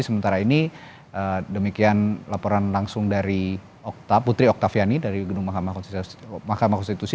sementara ini demikian laporan langsung dari putri oktaviani dari gedung mahkamah konstitusi